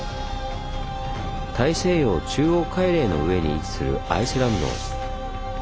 大西洋中央海嶺の上に位置するアイスランド。